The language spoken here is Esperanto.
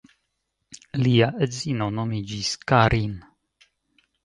Li edzino nomiĝis Karin.